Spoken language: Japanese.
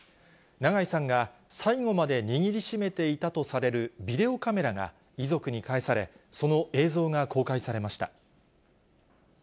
長井さんが最後まで握りしめていたとされるビデオカメラが遺族に返され、その映像が公開されました。